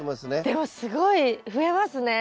でもすごい増えますね。